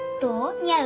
似合う？